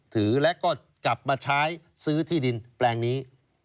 หรือก็กลับมาใช้ซื้อที่ดินแปลงนี้